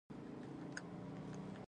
هغه د ماڼۍ دننه ښکلی باغ ولید.